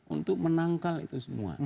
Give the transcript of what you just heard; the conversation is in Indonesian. untuk menangkal itu semua